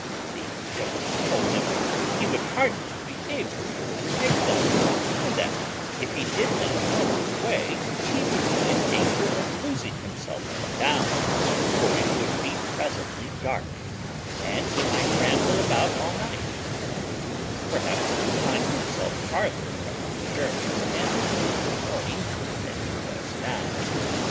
The gentleman told him, "he would hardly be able to overtake them; and that, if he did not know his way, he would be in danger of losing himself on the downs, for it would be presently dark; and he might ramble about all night, and perhaps find himself farther from his journey's end in the morning than he was now."